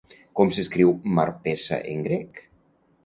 Com s'escriu Marpessa en grec?